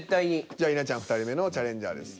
じゃあ稲ちゃん２人目のチャレンジャーです。